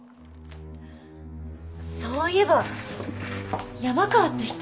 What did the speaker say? そういえば山川って人